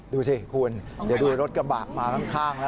ดูสิคุณเดี๋ยวดูรถกระบะมาข้างแล้ว